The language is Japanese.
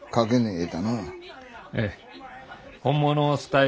ええ。